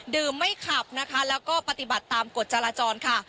ไม่ขับนะคะแล้วก็ปฏิบัติตามกฎจราจรค่ะ